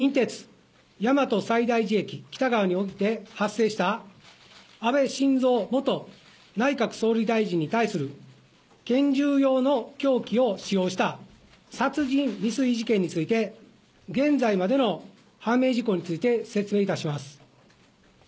本日午前１１時３２分ごろ、奈良西警察署管内の近鉄大和西大寺駅北側において発生した安倍晋三元内閣総理大臣に対する拳銃様の凶器を使用した殺人未遂事件について、現在までの判明事項について説明いたします。